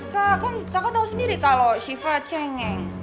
kakak tau sendiri kalau sifat cengeng